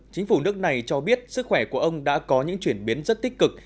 chính phủ nước này cho biết sức khỏe của ông đã có những chuyển biến rất tích cực